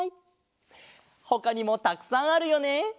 ほかにもたくさんあるよね。